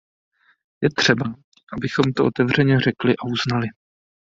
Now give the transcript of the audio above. Je třeba, abychom to otevřeně řekli a uznali.